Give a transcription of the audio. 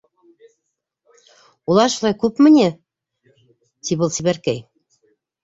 «Улар шулай күпме ни?» ти был сибәркәй.